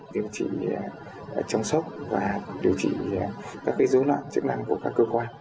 điều trị chống sốc và điều trị các dối loạn chức năng của các cơ quan